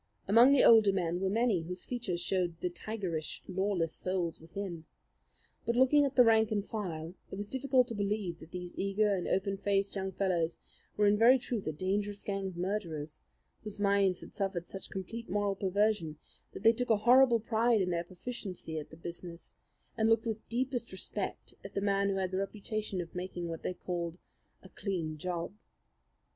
Among the older men were many whose features showed the tigerish, lawless souls within; but looking at the rank and file it was difficult to believe that these eager and open faced young fellows were in very truth a dangerous gang of murderers, whose minds had suffered such complete moral perversion that they took a horrible pride in their proficiency at the business, and looked with deepest respect at the man who had the reputation of making what they called "a clean job."